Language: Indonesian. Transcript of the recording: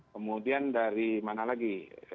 kemudian dari mana lagi